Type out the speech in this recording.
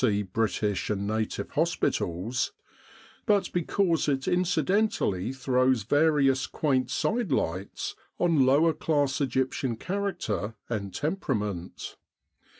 C. British and Native hospitals, but because it incidentally throws various 286 The Egyptian Labour Corps quaint sidelights on lower class Egyptian character and temperament.